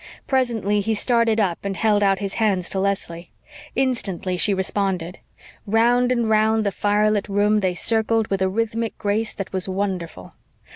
Presently he started up and held out his hands to Leslie. Instantly she responded. Round and round the firelit room they circled with a rhythmic grace that was wonderful.